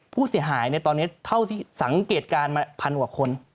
ผู้เสียหายตอนนี้เท่าที่สังเกตการณ์มาพันกว่าคน